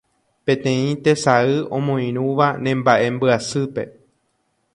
Peteĩ tesay omoirũva ne mba'embyasýpe